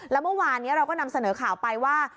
แล้วเมื่อวานนี้เราก็นำเสนอข่าวไปว่า